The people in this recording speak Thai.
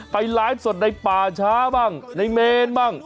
ไลฟ์สดในป่าช้าบ้างในเมนบ้าง